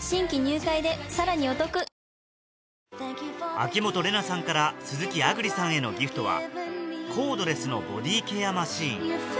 秋元玲奈さんから鈴木亜久里さんへのギフトはコードレスのボディケアマシン